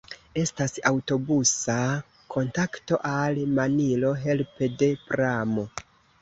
Estas aŭtobusa kontakto al Manilo helpe de pramo.